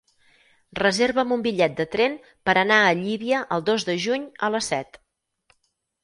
Reserva'm un bitllet de tren per anar a Llívia el dos de juny a les set.